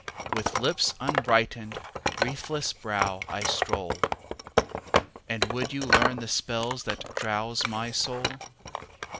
10 With lips unbrighten'd, wreathless brow, I stroll: And would you learn the spells that drowse my soul?